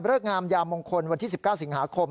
งามยามงคลวันที่๑๙สิงหาคม